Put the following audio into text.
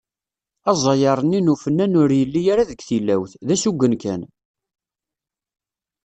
Aẓayer-nni n ufennan ur yelli ara deg tilawt, d asugen kan.